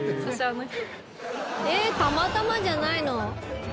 たまたまじゃないの？